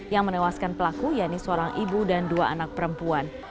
yang menewaskan pelaku yaitu seorang ibu dan dua anak perempuan